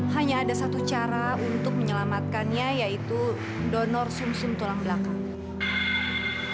hanya ada satu cara untuk menyelamatkannya yaitu donor sum sum tulang belakang